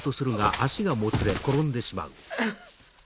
あっ。